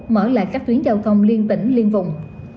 mở lại các tuyến giao thông liên tỉnh liên vùng